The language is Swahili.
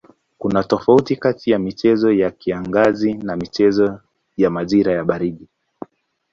Kuna tofauti kati ya michezo ya kiangazi na michezo ya majira ya baridi.